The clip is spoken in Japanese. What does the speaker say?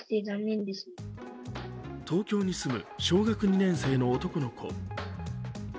東京に住む小学２年生の男の子。